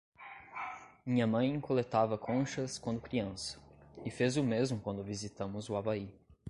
Minha mãe coletava conchas quando criança, e fez o mesmo quando visitamos o Havaí.